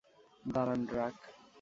দাঁড়ান, ড্রাক।